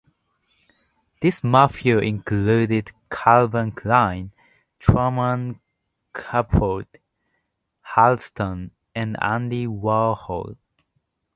This "mafia" included Calvin Klein, Truman Capote, Halston, and Andy Warhol.